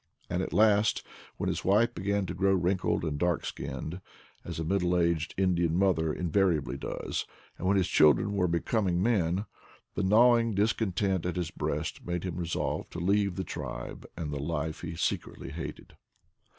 And at last, when his wife began to grow wrinkled and dark skinned, as a middle aged Indian mother in variably does, and when his children were becom ing men, the gnawing discontent at his breast made him resolve to leave the tribe and the life he 106 IDLE DAYS IN PATAGONIA I secretly hated.